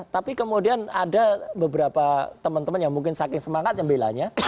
tapi kemudian ada beberapa teman teman yang mungkin saking semangat yang membelanya